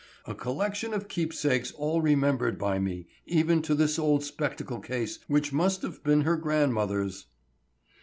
A collection of keepsakes all remembered by me, even to this old spectacle case which must have been her grandmother's."